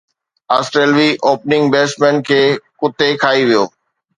آسٽريلوي opening batsman کي ڪتي کائي ويو